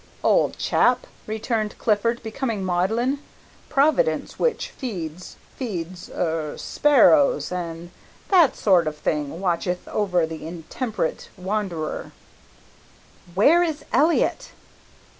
"Ole chap," returned Clifford, becoming maudlin, "Providence which feeds feeds er sparrows an' that sort of thing watcheth over the intemperate wanderer " "Where is Elliott?"